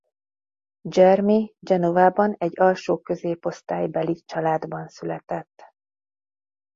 Germi Genovában egy alsó középosztálybeli családban született.